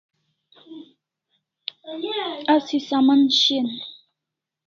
Asi saman shian